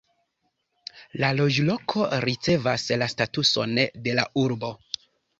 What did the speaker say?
La loĝloko ricevas la statuson de la urbo.